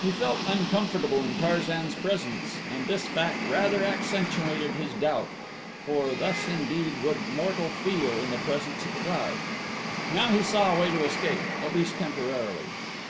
He felt uncomfortable in Tarzan's presence and this fact rather accentuated his doubt, for thus indeed would mortal feel in the presence of a god. Now he saw a way to escape, at least temporarily.